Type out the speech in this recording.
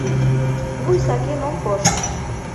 Вуй сакен ом кошт.